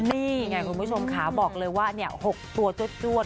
นี่ไงคุณผู้ชมขาบอกเลยว่า๖ตัวจวด